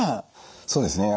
そうですね。